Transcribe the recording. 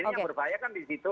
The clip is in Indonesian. yang berbahaya kan di situ